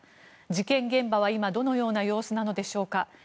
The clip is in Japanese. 事件現場は今どのような様子なのでしょうか。